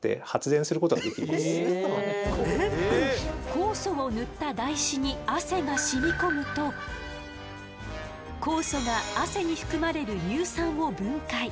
酵素を塗った台紙に汗が染み込むと酵素が汗に含まれる乳酸を分解。